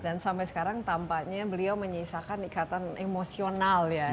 dan sampai sekarang tampaknya beliau menyisakan ikatan emosional ya